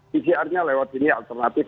pcr nya lewat ini alternatif